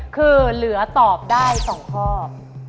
คือเหลือตอบได้๒ข้อ